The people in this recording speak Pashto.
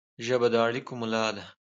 ژبه د اړیکو ملا ده